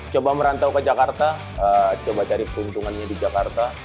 coba merantau ke jakarta coba cari keuntungannya di jakarta